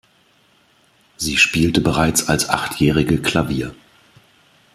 Sie spielte bereits als Achtjährige Klavier.